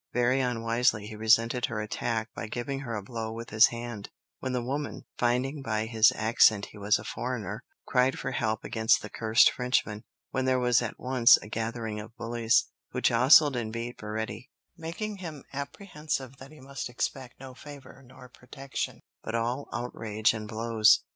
Very unwisely he resented her attack by giving her a blow with his hand, when the woman, finding by his accent he was a foreigner, cried for help against the cursed Frenchman, when there was at once a gathering of bullies, who jostled and beat Baretti, making him "apprehensive that he must expect no favour nor protection, but all outrage and blows."